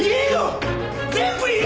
全部言えよ！